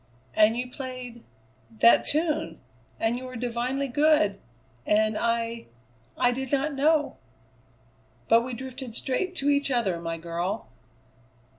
"And you played that tune, and you were divinely good; and I I did not know." "But we drifted straight to each other, my girl!"